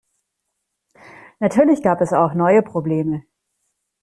Natürlich gab es auch neue Probleme.